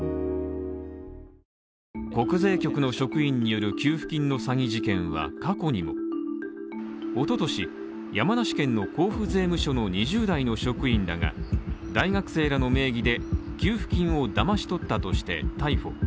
国税局の職員による給付金の詐欺事件は過去にも一昨年、山梨県の甲府税務署の２０代の職員らが、大学生らの名義で給付金をだまし取ったとして逮捕。